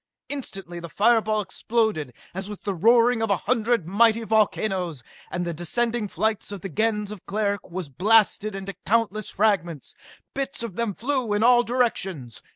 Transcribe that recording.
Instantly the fire ball exploded as with the roaring of a hundred mighty volcanoes and the descending flight of the Gens of Cleric was blasted into countless fragments! Bits of them flew in all directions.